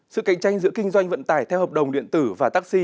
sự cạnh tranh giữa kinh doanh vận tải theo hợp đồng điện tử và taxi